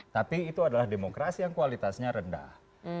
tapi itu adalah demokrasi yang kualitasnya rendah